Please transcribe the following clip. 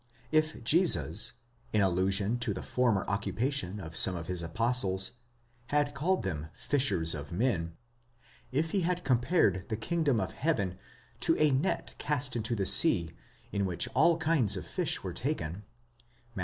If Jesus, in allusion to the former occupation of some of his apostles, had called them fishers of men; if he had compared the kingdom of heaven to a net cast into the sea, in which all kinds of fish were taken (Matt.